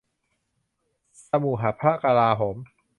สมุหพระกลาโหม